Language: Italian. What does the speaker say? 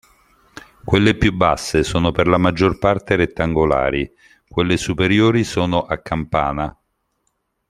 Quelle più basse sono per la maggior parte rettangolari, quelle superiori sono "a campana".